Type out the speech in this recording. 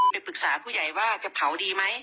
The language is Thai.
ไปปรึกษาผู้ใหญ่ว่าจะเผาดีไหม